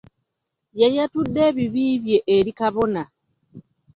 Yayatudde ebibi bye eri kabona.